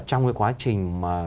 trong quá trình